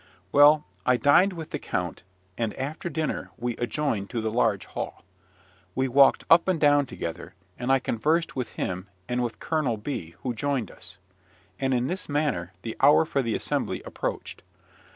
Well, I dined with the count; and, after dinner, we adjourned to the large hall. We walked up and down together: and I conversed with him, and with Colonel B , who joined us; and in this manner the hour for the assembly approached.